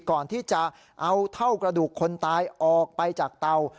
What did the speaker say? ก่อนที่จะเอาเท่ากระดูกคนตายออกไปจากเตา